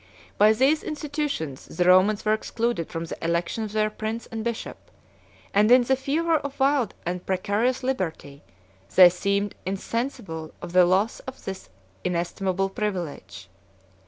72 By these institutions the Romans were excluded from the election of their prince and bishop; and in the fever of wild and precarious liberty, they seemed insensible of the loss of this inestimable privilege.